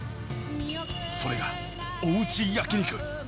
それがおうち焼き肉。